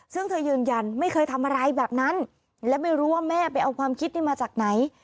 ซึ่งเธอยืนยันไม่เคยทำอะไรแบบนั้นและไม่รู้ว่าแม่ไปเอาความคิดนี่มาจากไหน